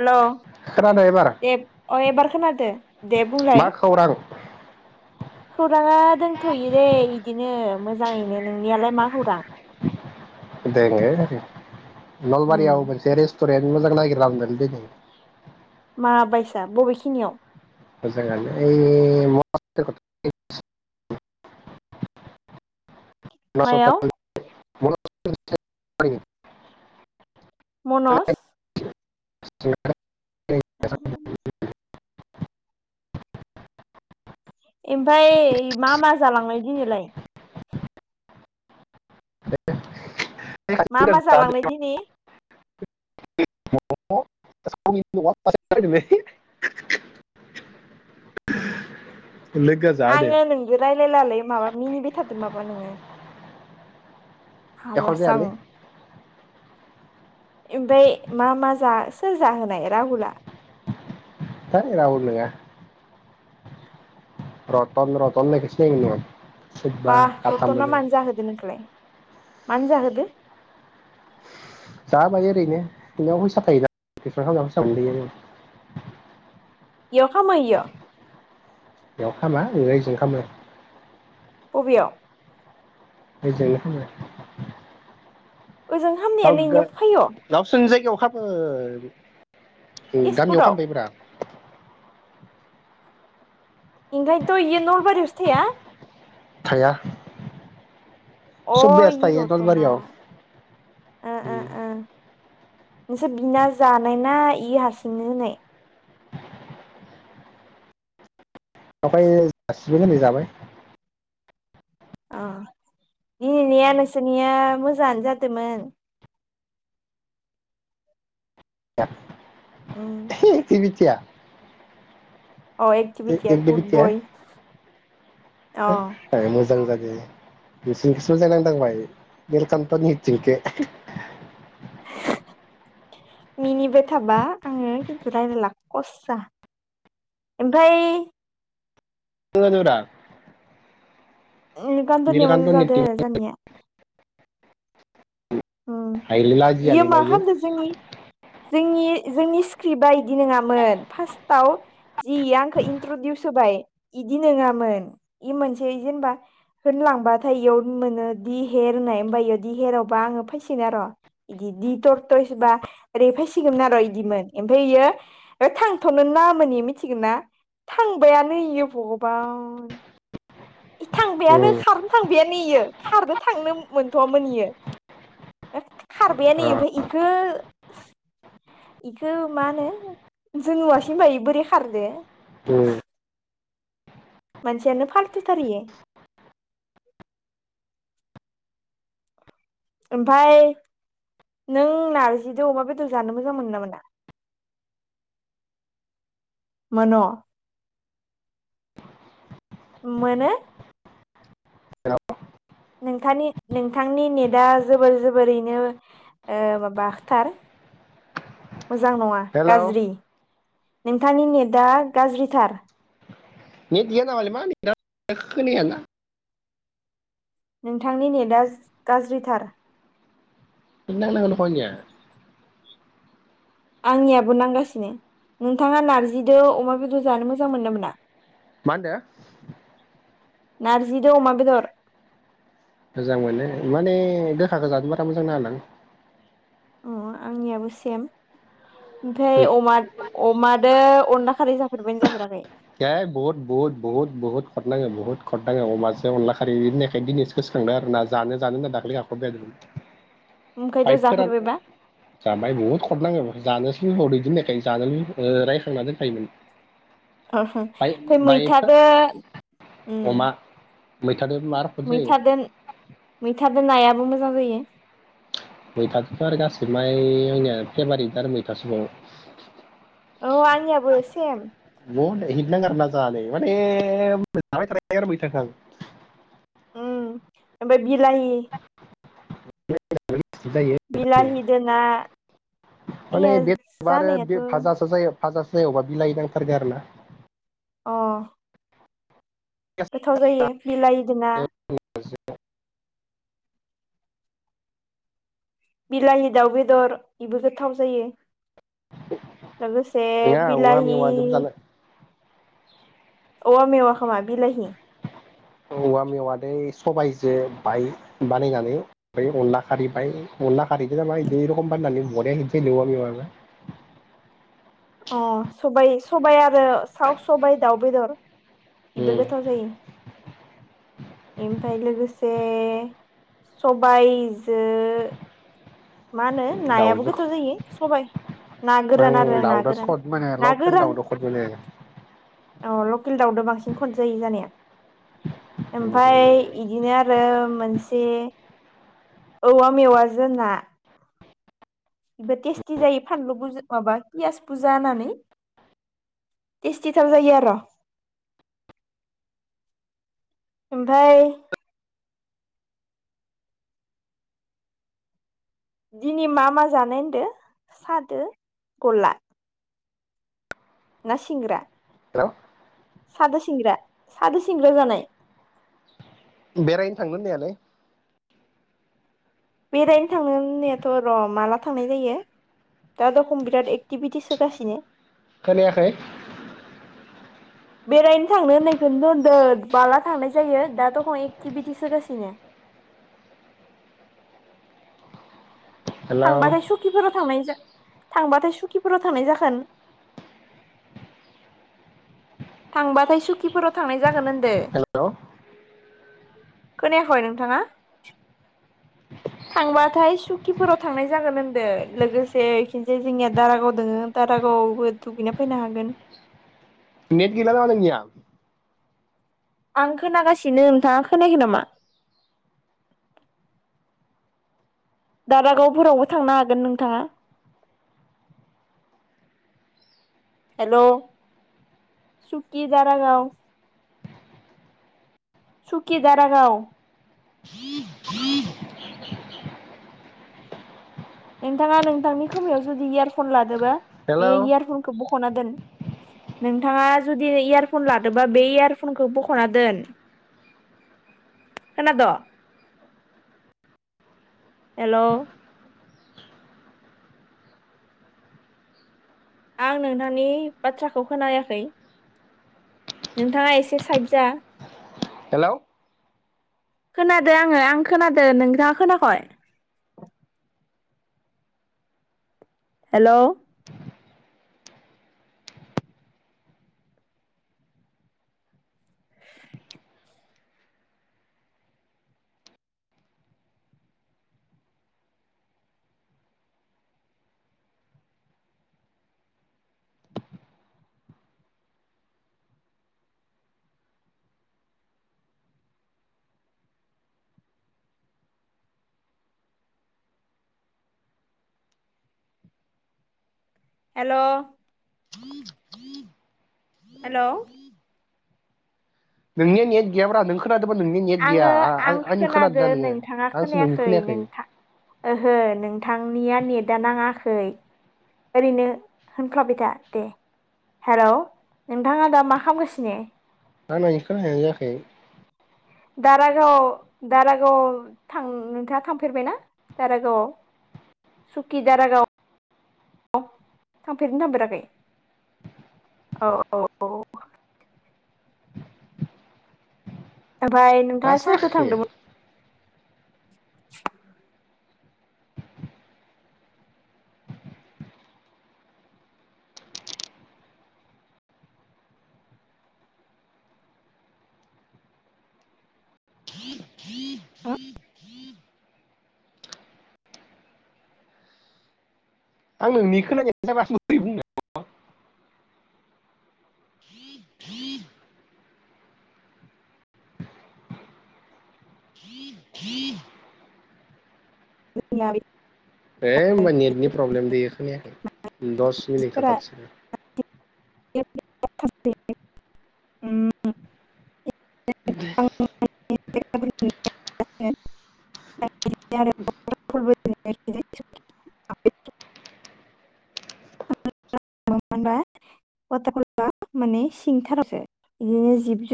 हेल' खोनादों एबार दे अ एबार खोनादो दे मा बुंलाय खौरां खौराङा दंथ'यो दै इदिनो मोजाङैनो नोंनियालाय? मा हुदा [unintelligible] उम नलबारियाव मोनसे रेस तरेन मोजां नागिरनाखै दिनै मा बायसा बबेखिनियाव मोजां आनो [unintelligible] मासाव मायाव [unintelligible] [unintelligible] मनज [unintelligible] [unintelligible] एमफाय मा मा जालांनाय दिनैलाय? मा मा जालांनाय दिनै? [unintelligible] जादो आङो नोंजों रायलायलालै। माबा मिनिबाय थादों माबा नोङो। एख' हालासो आं। जायालै एमफाय मा मा जा सोर जाहोनाय राहुला? है राहुल नोङा रतन रतन होननायखौ सिनायो नोङो? बा रतना मानो जाहोदो नोंखौलाय? मानो जाहोदो? जाहोबाय ओरैनो बिनाव फैसा थायोना [unintelligible] फैसा मोनबोयो। इयाव खामायो इयो? बेयाव खामा [unintelligible] अबेयाव [unintelligible] ओजों हामनायानो इनियावबो फैयो? ओ उम गामियाव तेजपुराव खालामबाय ब्रा। इमफायथ' इयो नलबारियावसो थाया? थाया अ सब बेस इयो थायो रतना नलबारियाव ओ ओ उम ओ नोंसोर बिना जानाय ना इयो हारसिंनो होनाय? आमफाय जासिबाय नालाय जाबाय। आ दिनैनिया नोंसोरनिया मोजाङानो जादोंमोन। उम [inaudible] इखो मिथिया। अ एकतिबितिया गुद एक्टिभिटिया बय अ। बिसिनिखोसो मोजां नांनो थांबाय निलकान्तनि एक्टिंखो। मिनिबाय थाबा आङो खिनथु आङो रायलायला हस्सा ओमफाय [unintelligible] ओ गानद'निया निलकान्त मोजां जादों मिटिं जानाया। उम [unintelligible] लाजियालै ना मा इयो खालामदों जोंनि जोंनि जोंनि स्क्रिप्टआ इदि नङामोन फार्स्टआव जि इयो आंखौ इन्ट्रडिउस होबाय इदि नोङामोन इ मोनसे जेनेबा होनलांबाथाय इयाव मोनो दि हेर होननाय आमफाय इयावदि हेरावबा आङो फैसिगोन आर' [unintelligible] ओरै फैसिगोमोन आरो इदिमोन एमफाय इयो थांथनो नाङामोन इयो मिथिगौना थांबायानो इयो भगबान। इ थांबायानो उम खारनो थां बेयो नेयो खारनो थांनो मोनथआमोन इयो। खारबायानो इयो ओमफाय इखो बेखौ मा होनो जों नुवासै होमबा इयै बोरै खारदो। उम मानसियानो फालथुथार इयो। ओमफाय नों नारजिजों अमा बेदर जानो मोजां मोनोना मोना मोन'? मोनो? नोंथानि नोंथांनि नेटा जोबोर जोबोरैनो ओ माबाथार मोजां नङा हेल' गाज्रि। नोंथांनि नेटआ गाज्रिथार। नेट गैयानामालै मा नेटआ खोनायाना। नोंथांनि नेटआ गाज्रिथार। नेट नांनांगो दख' आंनिया। आंनियाबो नांगासिनो नोंथाङा नारजिजों अमा बेदर जानो मोजां मोनो ना मोना? मा होनदों? नारजिदो अमा बेदर। मोजां मोनो माने गोखाखौ जानो बारा मोजां नाङाना आं। अ आंनियाबो सेम। बै ओमफ्राय अमा अमादो अनला खारै जा फेरबायना जाफेराखै? बहुत बहुत बहुत बहुत खद नाङो बहुत गुवार नाङो अमाजों अनला खारै होननायखाय दिनैसो गोसोखांदों आरोना जानो जानो होनना दाखालि गाबख्रावबाय थादोंमोन। ओमफ्रायथ' बाहाय फोराननो जाफेरबायबा [inaudible] जाबाय बहुत कद नाङो जानो फुङावनो इदि होननायखाय जानो रायखांना दोनखायोमोन। ओ बाय ओमफ्राय बाय मैथादो उम अमा मैथादोबो मार खद जायो मैथादो मैथादो नायाबो मो जां जायो। मैथादोथ' आरो गासैबो माय आंनिया फेभारिट आरो मैथासोबाव। औ आंनियाबो सेम। हिद नोङो आरोना जानो माने जाबाय थानो हायो आरो मैथाखो आं। उम ओमफ्राय बिलाहि [unintelligible] बिलाहिदो ना। मोने आंनिया बेदरबा आरो जानायाथ' बे अ भाजासो जायो। भाजासो जायो अबा बिलाइ नांथारगो आरोना। अ। गोथाव जायो बिलाहिदो ना। [unintelligible] बिलाहि दाउ बेदर बेबो गोथाव जायो। लोगोसे नङा औवा बिलाहि मेवादोबो जानो औवा मेवाखो मा बिलाहि। औवा मेवादो सबायजो बाय बानायनानै ओमफ्राय अनला खारैबाय अनला खारैदो ना मा इदि रखम बानायनानै बरिया हिद जायोलै औवा मेवाबा। अ सबाय सबाय आरो साव सबाय दाउ बेदर। इबो उम गोथाव जायो। इमफ्राय लोगोसे सबायजो मा होनो नायाबो दाउजो गोथाव जायो सबाय ना गोरान आरो आं ना दाउदो गोरान सद मोनो ना लकेल गोरान दाउदो खद मोनो औ लकेल दावदो बांसिन खद जायो जानाया ओमफाय इदिनो आरो मोनसे औवा मेवाजों ना। इबो टेस्टि जायो फानलुु बुज-माबा पियास बुजा होननानै टेस्टिथार जायो आरो ओमफाय दिनै मा मा जानाय होनदो सादो गल्ला। ना सिंग्रा? हेलौ। सादो सिंग्रा सादो सिंग्रा जानाय। बेरायनो थांनो होननायालै। बेरायनो थांनो होननायाथ' र माला थांनाय जायो। दा दखम बिराद एकटिभिटिस होगासिनो। खोनायाखै। बेरायनो थांनो होननायखौनोथ' होनदों माला थांनाय जायो। दा दखम एक्टिभिटिस होगासिनो। हेलौ थांबाथाय सुकिफोराव थांनाय जा थांबाथाय सुखिफोराव थांनाय जाखोन। थांबाथाय सुखिफोराव थांनाय जागोन ओनदों हेलौ खोनायाखइ नोंथाङा थांबाथाय सुकिफोराव थांनाय जागोन ओनदो लोगोसे इथिंजाय जोंनिया दारागाव दोङो दारागावआवबो दुगैना फैनो हागोन। नेट गैलानामा नोंनिया? आं खोनागासिनो नोंथाङा खोनाखै नामा? दारागावफोरावबो थांनो हागोन नोंथाङा। हेलौ सुकि दारागाव। सुखि दारागाव। नोंथाङा नोंथांनि खोमायाव जुदि इयारफन लादोबा बे हेलौ इयारफनखौ बखना दोन। नोंथाङा जुदि इयारफन लादोंबा बे इयारफनखौ बखना दोन खोनाद? हेलौ। आं नोंथांनि बाथ्राखौ खोनायाखै नोंथाङा एसे साइद जा। हेलौ। खोनादो आङो आं खोनादो नोंथाङा खोनाख'इ? हेलौ। हेल'। [inaudible] हेलौ। नोंनिया नेद गैयाब्रा नों खोनाद [unintelligible] नोंनि नेट गैया आङो आं आ-आ-आंनि खोनादो खोनादोंना नोङो नोंथाङा आंसो नोंनिखो खोनायाखै। नोंथां ओहो नोंथांनिया नेटा नाङाखै ओरैनो होनफ्लाबायथा दे हेलौ नोंथाङा दा मा खालामगासिनो? आंना [unintelligible] जायाखै। दारागाव दारागाव थां नोंथाङा थांफेरबायना? दारागावआव सुकि दारागाव। औ थांफेरबाय ना थांफेराखै औ औ औ। ओमफाय मा नोंथाङा सोरदो जाखो थांदोंमोन? [inaudible] [inaudible] आं नोंनि खोनानायखो [unintelligible] बुंनो। [unintelligible] हे होनबा नेटनि प्रब्लेम बेयो खोनायाखै दस मिनिट थाथारथोसै। [unintelligible] ओम। बि दे [unintelligible] [unintelligible] आरो [unintelligible] दे [unintelligible] बा गथफोरबा माने सिंथारो बिदिनो जिब जुनार